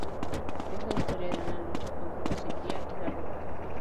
Es la historia de una lucha contra la sequía y la roca".